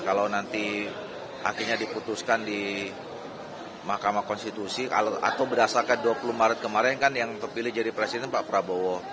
kalau nanti akhirnya diputuskan di mahkamah konstitusi atau berdasarkan dua puluh maret kemarin kan yang terpilih jadi presiden pak prabowo